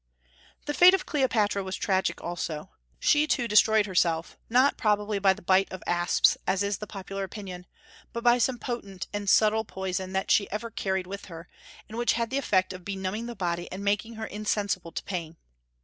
The fate of Cleopatra was tragic also. She too destroyed herself, not probably by the bite of asps, as is the popular opinion, but by some potent and subtile poison that she ever carried with her, and which had the effect of benumbing the body and making her insensible to pain.